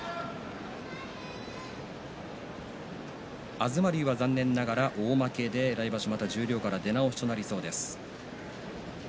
東龍は残念ながら大負けで来場所また十両からの出直しとなりそうです。